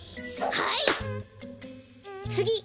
はい！